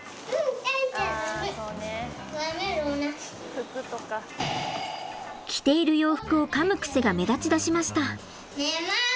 着ている洋服をかむ癖が目立ちだしました。